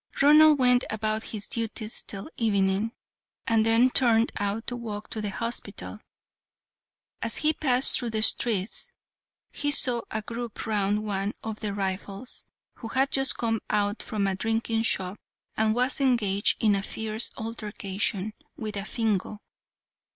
Ronald went about his duties till evening, and then turned out to walk to the hospital. As he passed through the streets, he saw a group round one of the Rifles, who had just come out from a drinking shop, and was engaged in a fierce altercation with a Fingo.